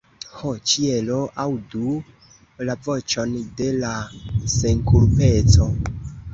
Ho ĉielo, aŭdu la voĉon de la senkulpeco!